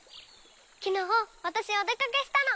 きのうわたしお出かけしたの。